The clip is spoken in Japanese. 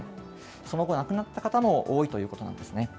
その後亡くなった方も多いということなんですね。